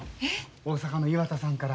大阪の岩田さんから。